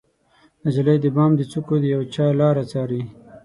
نجلۍ د بام د څوکو د یوچا لاره څارې